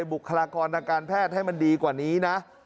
หลักผู้ศุกรการอาการแพทย์ให้มันดีกว่านี้นะ